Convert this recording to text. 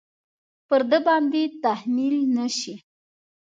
پر ده باندې تحمیل نه شي.